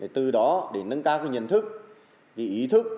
từ đó để nâng cao nhận thức ý thức